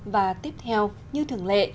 và tiếp theo như thường lệ